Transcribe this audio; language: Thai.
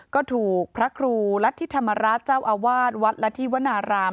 ก็ถูกพระครูรัฐธิธรรมราชเจ้าอาวาสวัดละธิวนาราม